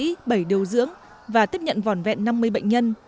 từ lúc chỉ có hai bác sĩ bảy điều dưỡng và tiếp nhận vỏn vẹn năm mươi bệnh nhân